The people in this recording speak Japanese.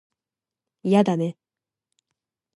いやだね